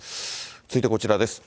続いてこちらです。